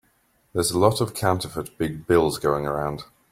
There's a lot of counterfeit big bills going around.